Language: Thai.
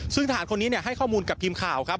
ซึ่งทหารคนนี้ให้ข้อมูลกับทีมข่าวครับ